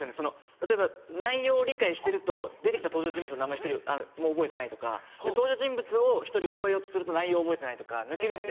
例えば内容を理解してると出て来た登場人物の名前１人も覚えてないとか登場人物を１人覚えようとすると内容覚えてないとか抜けるんで。